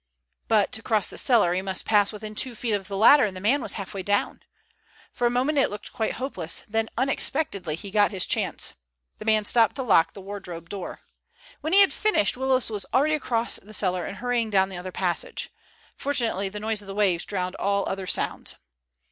But to cross the cellar he must pass within two feet of the ladder, and the man was half way down. For a moment it looked quite hopeless, then unexpectedly he got his chance. The man stopped to lock the wardrobe door. When he had finished, Willis was already across the cellar and hurrying down the other passage. Fortunately the noise of the waves drowned all other sounds.